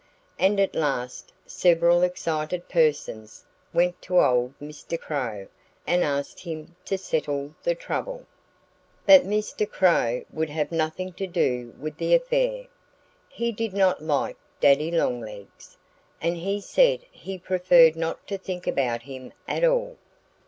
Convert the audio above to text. And at last several excited persons went to old Mr. Crow and asked him to settle the trouble. But Mr. Crow would have nothing to do with the affair. He did not like Daddy Longlegs. And he said he preferred not to think about him at all.